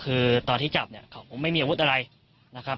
ครับตอนที่จับเขาไม่มีอาวุธอะไรนะครับ